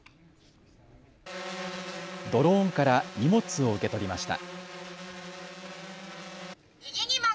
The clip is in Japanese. ドローンから荷物を受け取りました。